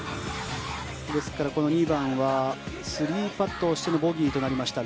ですから２番は３パットをしてのボギーとなりました。